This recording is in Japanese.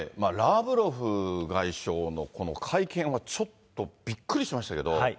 ラブロフ外相のこの会見は、ちょっとびっくりしましたけど。